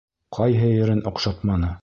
Ҡайһы ерен оҡшатманы?